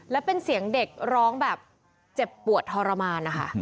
แล้วเป็นเสียงเด็กร้องแบบเจ็บปวดทรมานนะคะ